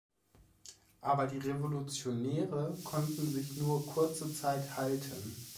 Aber die Revolutionäre konnten sich nur kurze Zeit halten.